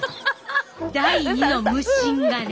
第２の無心がね。